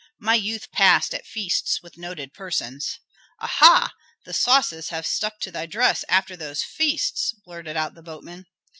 My youth passed at feasts with noted persons." "Aha! the sauces have stuck to thy dress after those feasts," blurted out the boatman.